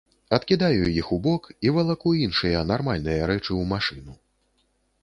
Адкідаю іх у бок і валаку іншыя, нармальныя рэчы ў машыну.